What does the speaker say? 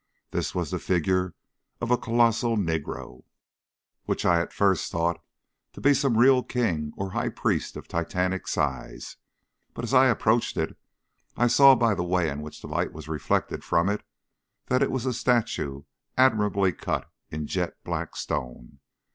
This was the figure of a colossal negro, which I at first thought to be some real king or high priest of titanic size, but as I approached it I saw by the way in which the light was reflected from it that it was a statue admirably cut in jet black stone.